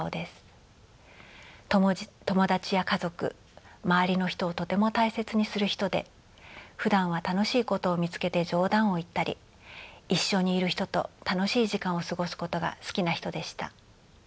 友達や家族周りの人をとても大切にする人でふだんは楽しいことを見つけて冗談を言ったり一緒にいる人と楽しい時間を過ごすことが好きな人でした。